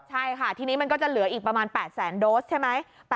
ใช่ค่ะทีนี้มันก็จะเหลืออีกประมาณ๘แสนโดสใช่ไหม